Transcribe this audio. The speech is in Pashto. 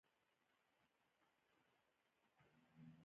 مځکه د انسان خدمت کوي.